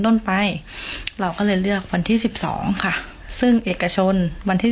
ต้นไปเราก็เลยเลือกวันที่สิบสองค่ะซึ่งเอกชนวันที่